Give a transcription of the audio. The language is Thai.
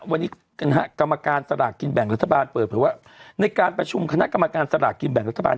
วันนี้กรรมการสลากกินแบ่งรัฐบาลเปิดเผยว่าในการประชุมคณะกรรมการสลากกินแบ่งรัฐบาล